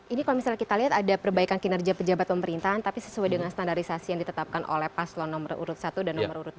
ini kalau misalnya kita lihat ada perbaikan kinerja pejabat pemerintahan tapi sesuai dengan standarisasi yang ditetapkan oleh paslon nomor urut satu dan nomor urut dua